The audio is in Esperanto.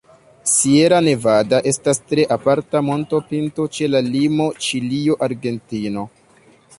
Sierra Nevada estas tre aparta montopinto ĉe la limo Ĉilio-Argentino.